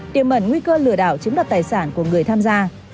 điểm mẩn nguy cơ lừa đảo chứng đoạt tài sản của người tham gia